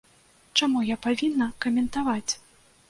Чаму я павінна каментаваць?